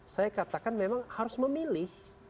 saya katakan memang harus memilih